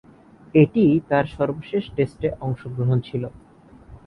এটিই তার সর্বশেষ টেস্টে অংশগ্রহণ ছিল।